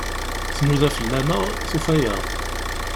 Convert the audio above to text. Tnuda fell-aneɣ, tufa-aɣ.